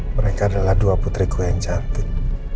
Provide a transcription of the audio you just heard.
mereka adalah dua putriku yang cantik